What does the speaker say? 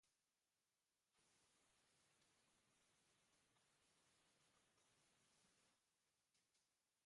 Auzoa norabide bakarreko ingurabide baten barnealdean eta kanpoaldean hedatzen da.